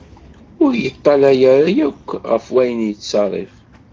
Ur yeṭallay ara akk ɣer wayen yettserrif.